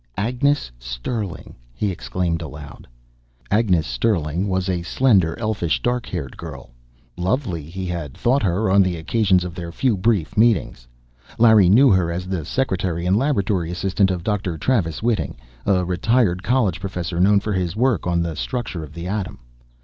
"Agnes Sterling!" he exclaimed aloud. Agnes Sterling was a slender, elfish, dark haired girl lovely, he had thought her, on the occasions of their few brief meetings. Larry knew her as the secretary and laboratory assistant of Dr. Travis Whiting, a retired college professor known for his work on the structure of the atom.